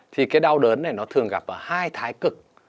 thì cái đau đớn này nó thường gặp ở hai thái cực